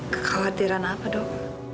kekhawatiran apa dok